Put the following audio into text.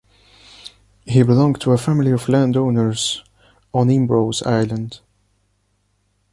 He belonged to a family of landowners on Imbros island.